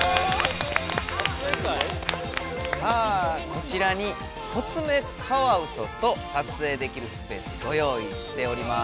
さあこちらにコツメカワウソと撮影できるスペースご用いしております。